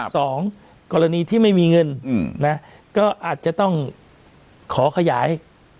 สองกรณีที่ไม่มีเงินนะก็อาจจะต้องขอขยาย